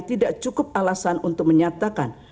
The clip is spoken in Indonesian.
tidak cukup alasan untuk menyatakan